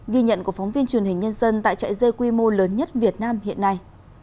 ghi nhận của phóng viên truyền hình nhân dân tại chạy dê quy mô lớn nhất việt nam hiện nay